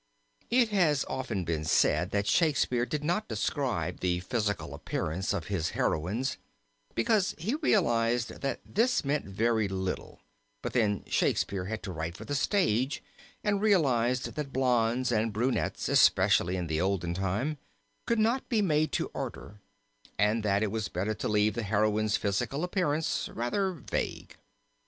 It has often been said that Shakespeare did not describe the physical appearances of his heroines because he realized that this meant very little, but then Shakespeare had to write for the stage and realized that blondes and brunettes, especially in the olden time, could not be made to order and that it was better to leave the heroine's physical appearance rather vague.